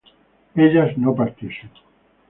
ellas no partiesen